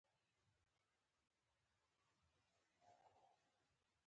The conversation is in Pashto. خارق العاده کارونو ادعا کوي.